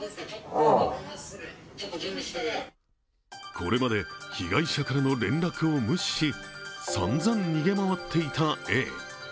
これまで、被害者からの連絡を無視し、さんざん逃げ回っていたＡ。